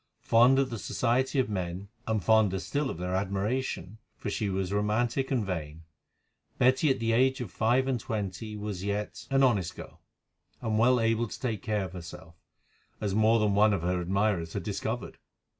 Fond of the society of men, and fonder still of their admiration, for she was romantic and vain, Betty at the age of five and twenty was yet an honest girl, and well able to take care of herself, as more than one of her admirers had discovered.